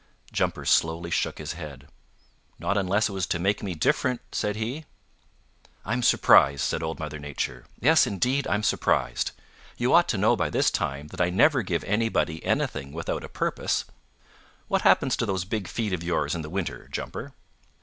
Jumper slowly shook his head. "Not unless it was to make me different," said he. "I'm surprised," said Old Mother Nature. "Yes, indeed, I'm surprised. You ought to know by this time that I never give anybody anything without a purpose. What happens to those big feet of yours in the winter, Jumper?"